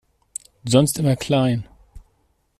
Sonst immer klein!